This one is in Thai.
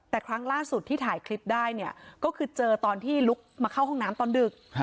แต่ครั้งล่าสุดที่ถ่ายคลิปได้เนี่ยก็คือเจอตอนที่ลุกมาเข้าห้องน้ำตอนดึก